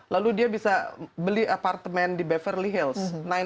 lalu dia bisa beli apartemen di beverly hills